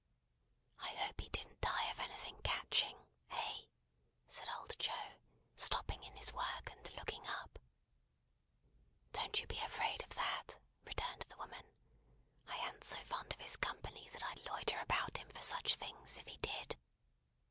"I hope he didn't die of anything catching? Eh?" said old Joe, stopping in his work, and looking up. "Don't you be afraid of that," returned the woman. "I an't so fond of his company that I'd loiter about him for such things, if he did.